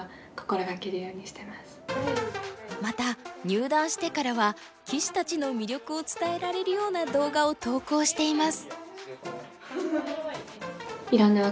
また入段してからは棋士たちの魅力を伝えられるような動画を投稿しています。